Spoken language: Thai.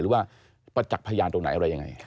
ว่าประจักษ์พยานตรงไหนอะไรยังไง